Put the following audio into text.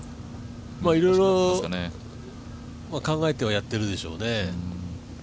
いろいろ考えてはやってるでしょうね。